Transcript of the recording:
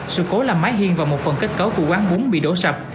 sự cố làm máy hiên và một phần kết cấu của quán bún bị đổ sập